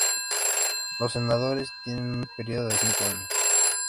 Los senadores tienen un período de cinco años.